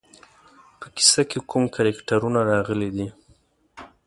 په کیسه کې کوم کرکټرونه راغلي دي.